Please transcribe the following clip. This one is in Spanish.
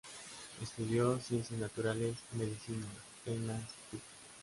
Estudió ciencias naturales y medicina, en Landshut.